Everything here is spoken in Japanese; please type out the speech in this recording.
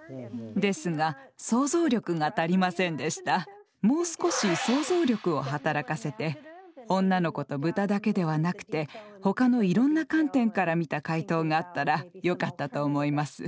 谷さんはもう少し想像力を働かせて女の子と豚だけではなくてほかのいろんな観点からみた解答があったらよかったと思います。